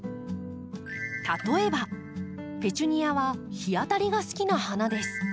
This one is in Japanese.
例えばペチュニアは日当たりが好きな花です。